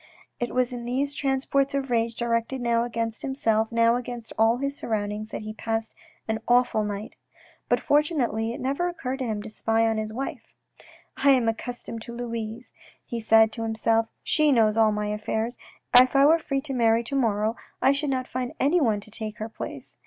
" It was in these transports of rage, directed now against himself, now against all his surroundings, that he passed an awful night ; but, fortunately, it never occurred to him to spy on his wife. " I am accustomed to Louise," he said to himself, " she knows all my affairs. If I were free to marry to morrow, I should not find anyone to take her place."